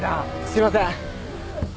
すいません！